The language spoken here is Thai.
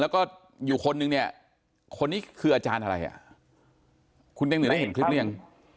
แล้วก็อยู่คนนึงเนี่ยคนนี้คืออาจารย์อะไรอ่ะคุณเต้งหนึ่งได้เห็นคลิปหรือยัง